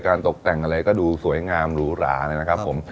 ตกแต่งอะไรก็ดูสวยงามหรูหราเลยนะครับผม